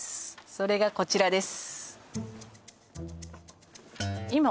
それがこちらです